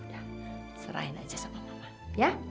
yaudah serahin aja sama mama ya